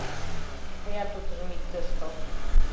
— Тыят утыжым ит тӧрштыл...